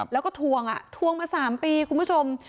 แล้วก็ทวงทวงมา๓ปีคุณผู้ชม